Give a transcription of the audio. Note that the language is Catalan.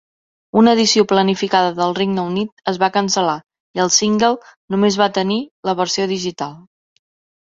Una edició planificada del Regne Unit es va cancel·lar i el single només va tenir la versió digital.